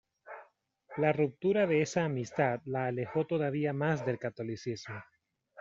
La ruptura de esa amistad la alejó todavía más del catolicismo.